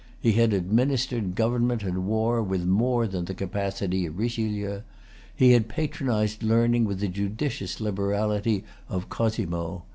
He had administered government and war with more than the capacity of Richelieu. He had patronized learning with the judicious liberality of Cosmo.